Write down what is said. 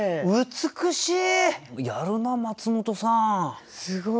美しい。